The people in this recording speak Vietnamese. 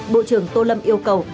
bộ trưởng tô lâm yêu cầu